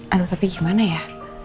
aduh tapi gimana ya